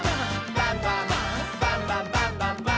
バンバン」「バンバンバンバンバンバン！」